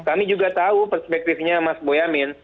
kami juga tahu perspektifnya mas boyamin